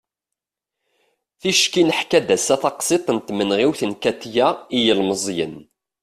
ticki neḥka-d ass-a taqsiḍt n tmenɣiwt n katia i yilmeẓyen